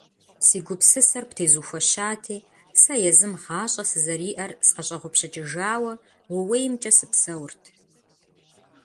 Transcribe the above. Си гупсысэр птезухуэщати, сэ езым гъащӀэ сызэриӀэр сӀэщӀэгъупщыкӀыжауэ, ууеймкӀэ сыпсэурт.